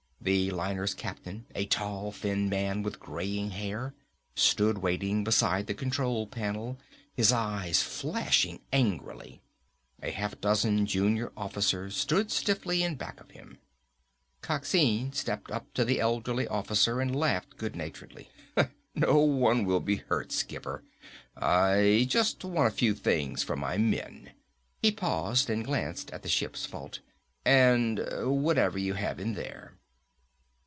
The liner's captain, a tall, thin man with graying hair, stood waiting beside the control panel, his eyes flashing angrily. A half dozen junior officers stood stiffly in back of him. Coxine stepped up to the elderly officer and laughed good naturedly. "No one will be hurt, skipper. I just want a few things for my men" he paused and glanced at the ship's vault "and whatever you have in there!"